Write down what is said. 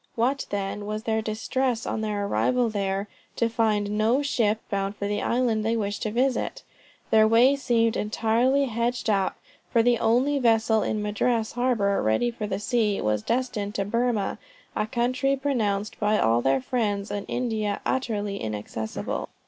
What, then, was their distress on their arrival there, to find no ship bound for the island they wished to visit! Their way seemed entirely hedged up, for the only vessel in Madras harbor ready for sea, was destined to Burmah, a country pronounced by all their friends in India, utterly inaccessible.